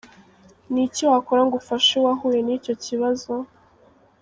Ni iki wakora ngo ufashe uwahuye n’icyo Kibazo ?.